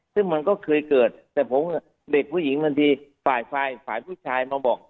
ซึ่งมันก็เคยเกิดแต่ผมเด็กผู้หญิงบางทีฝ่ายฝ่ายผู้ชายมาบอก